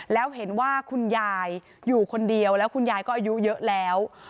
แล้วเห็นว่าคุณยายอยู่คนเดียวแล้วคุณยายก็อายุเยอะแล้ว